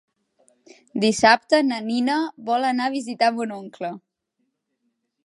Dissabte na Nina vol anar a visitar mon oncle.